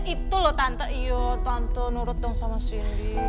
itu loh tante iya tante nurut dong sama sindi